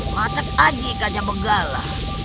matak aji kajab gala